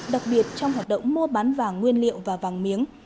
đặc biệt trong hoạt động mua bán vàng nguyên liệu và vàng miếng